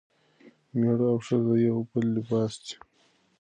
میړه او ښځه د یو بل لباس دي.